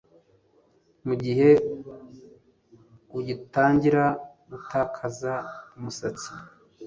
mu gihe ugitangira gutakaza umusatsi,